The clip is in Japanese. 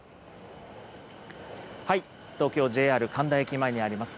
東京、ＪＲ神田駅前にあります